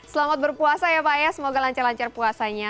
selamat berpuasa ya pak ya semoga lancar lancar puasanya